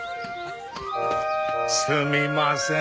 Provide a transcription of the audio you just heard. すみません